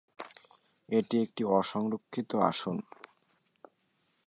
এটি একটি অসংরক্ষিত আসন।